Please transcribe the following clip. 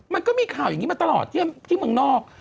มันก็มีข่าวอย่างนี้มาตลอดที่เมืองนอก